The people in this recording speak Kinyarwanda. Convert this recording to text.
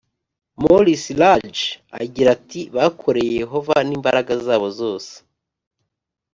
Maurice Raj agira ati bakoreye Yehova n imbaraga zabo zose.